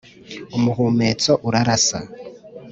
Umuhumeto urarasa.